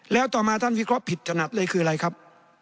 แล้วต่อมาท่านวิเคราะห์ผิดถนัดเลยคืออะไรครับ